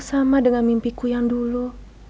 sama dengan mimpiku yang dulu